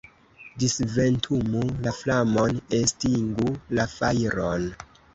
Disventumu la flamon, estingu la fajron!